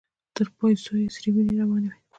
تر پايڅو يې سرې وينې روانې وې.